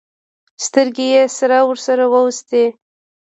سترګې يې سره ور وستې.